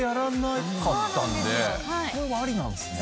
これもありなんですね。